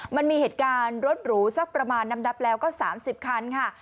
มันมีเหตุการณ์รถหรูสักประมาณนับแล้วก็๓๐คันค่ะ